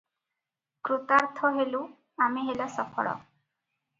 କୃତାର୍ଥ ହେଲୁ ଆମେ ହେଲା ସଫଳ-